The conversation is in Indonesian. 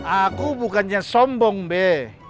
aku bukannya sombong be